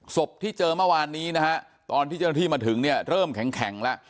ศพที่เจอเมื่อวานนี้ตอนที่มาถึงเริ่มแข็งแล้ว